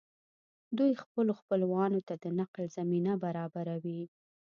دوی خپلو خپلوانو ته د نقل زمینه برابروي